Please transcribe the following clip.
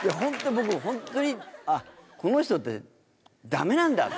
僕本当にあっこの人ってダメなんだって。